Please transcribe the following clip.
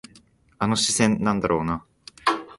あの視線、なんだろうな。